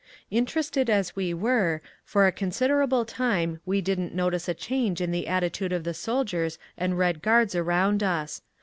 Interested as we were, for a considerable time we didn't notice a change in the attitude of the soldiers and Red Guards around us.